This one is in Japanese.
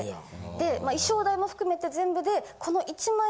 で衣装代も含めて全部で。